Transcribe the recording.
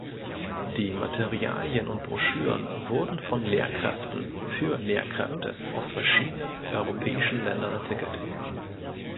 Die Materialien und Broschüren wurden von Lehrkräften für Lehrkräfte aus verschiedenen europäischen Ländern entwickelt.